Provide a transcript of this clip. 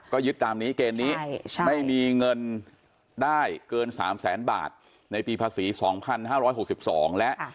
ก็ยึดตามนี้เกณฑ์นี้ใช่ใช่ไม่มีเงินได้เกินสามแสนบาทในปีภาษีสองพันห้าร้อยหกสิบสองและ